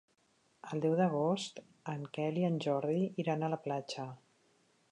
El deu d'agost en Quel i en Jordi iran a la platja.